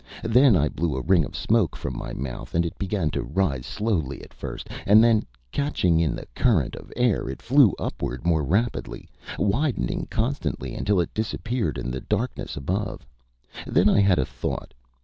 Then I blew a ring of smoke from my mouth, and it began to rise slowly at first, and then, catching in a current of air, it flew upward more rapidly, widening constantly, until it disappeared in the darkness above. Then I had a thought.